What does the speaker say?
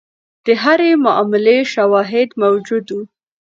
د هرې معاملې شواهد موجود وو.